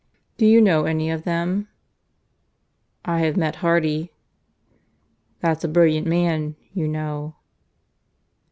Do you know any of them?" "I have met Hardy." "That's a brilliant man, you know."